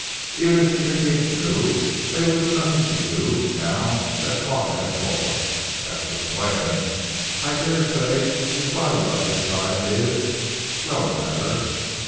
Even if the Indians knew, they would do nothing to you, now that Carr has gone. As to the plan, I daresay his body by this time is well no matter.